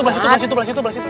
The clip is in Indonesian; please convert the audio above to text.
belas itu belas itu belas itu